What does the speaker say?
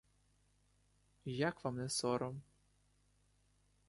Як вам не сором?